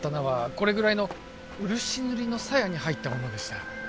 これぐらいの漆塗りのさやに入ったものでした